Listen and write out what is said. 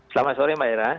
selamat sore mbak ina